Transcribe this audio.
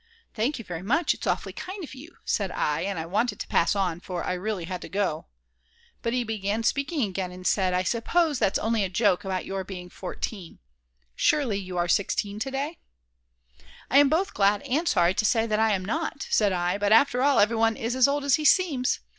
"Thank you very much, it's awfully kind of you," said I, and wanted to pass on, for I really had to go. But he began speaking again, and said: "I suppose that's only a joke about your being 14. Surely you are 16 to day?" "I am both glad and sorry to say that I am not, said I, but after all everyone is as old as he seems.